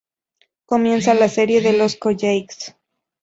Comienza la serie de los collages.